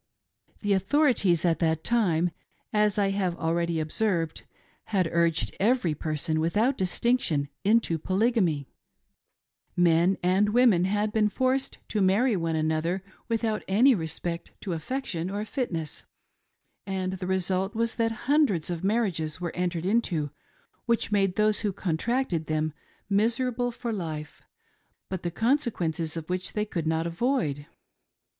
The authorities at that time — as I have already observed — had urged every person, without distinction, into Polygamy. 396 • A DIVORCE FOR TEN DOLLARS ! Men and women had been forced to marty one another with out any respect to affection or fitness, and the result was that hundreds of marriages were entered into which made those who contracted them miserable for life, but the conse quences of which they could not avoid.